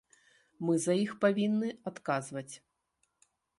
Мы за іх павінны адказваць.